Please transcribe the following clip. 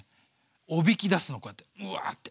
おびき出すのこうやってうわって。